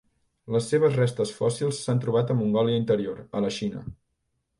Les seves restes fòssils s'han trobat a Mongòlia Interior, a la Xina.